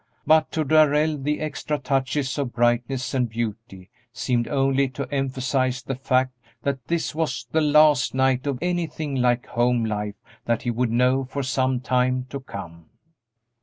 But to Darrell the extra touches of brightness and beauty seemed only to emphasize the fact that this was the last night of anything like home life that he would know for some time to come.